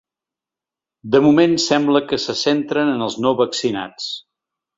De moment, sembla que se centren en els no vaccinats.